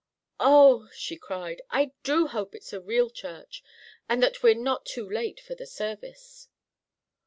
"Oh!" she cried, "I do hope it's a real church and that we're not too late for the service."